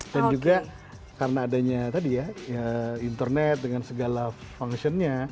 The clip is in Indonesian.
dan juga karena adanya tadi ya internet dengan segala functionnya